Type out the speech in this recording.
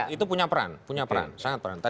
itu punya peran punya peran sangat peran